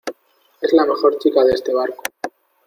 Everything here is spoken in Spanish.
es la mejor chica de este barco